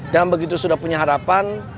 dan begitu sudah punya harapan